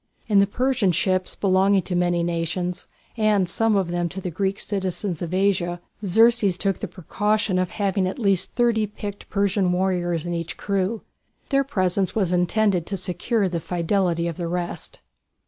In the Persian ships belonging to many nations, and some of them to the Greek cities of Asia, Xerxes took the precaution of having at least thirty picked Persian warriors in each crew. Their presence was intended to secure the fidelity of the rest.